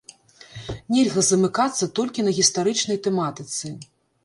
Нельга замыкацца толькі на гістарычнай тэматыцы.